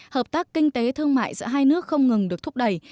hợp tác kinh tế thương mại giữa hai nước không ngừng được thúc đẩy